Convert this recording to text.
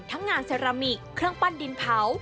ทั้งงานเซรามิกเครื่องปั้นดินเผา